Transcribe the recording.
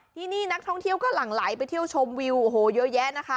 ที่นี่นักท่องเที่ยวก็หลั่งไหลไปเที่ยวชมวิวโอ้โหเยอะแยะนะคะ